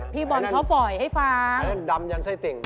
พี่บอลเขาปล่อยให้ฟังดำยันไส้ติ่ง